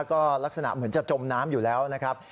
ก็ลักษณะเหมือนจะจมน้ำอยู่แล้วนะครับ